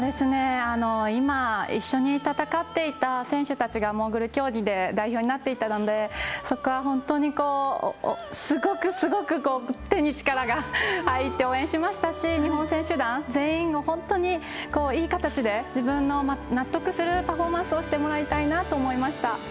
今、一緒に戦っていた選手たちがモーグル競技で代表になっていたのでそこは本当にすごくすごく手に力が入って応援しましたし日本選手団本当にいい形で自分の納得するパフォーマンスをしてもらいたいなと思いました。